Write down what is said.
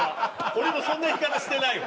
俺もそんな言い方してないわ。